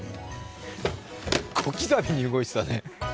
小刻みに動いてたね。